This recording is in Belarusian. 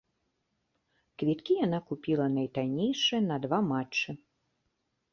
Квіткі яна купіла найтаннейшыя, на два матчы.